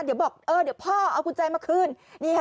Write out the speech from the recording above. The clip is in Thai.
เดี๋ยวพ่อเอากุญแจมาขึ้น